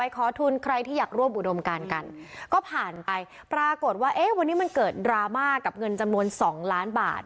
ขอทุนใครที่อยากร่วมอุดมการกันก็ผ่านไปปรากฏว่าเอ๊ะวันนี้มันเกิดดราม่ากับเงินจำนวน๒ล้านบาท